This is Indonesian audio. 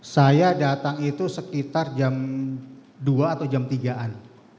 saya datang itu sekitar jam dua atau jam tiga an